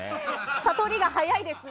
悟りが早いですね。